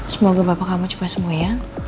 semoga bapak kamu cepat sembuh ya